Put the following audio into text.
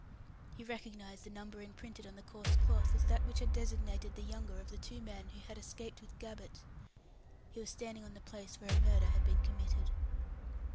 He recognized the number imprinted on the coarse cloth as that which had designated the younger of the two men who had escaped with Gabbett. He was standing on the place where a murder had been committed!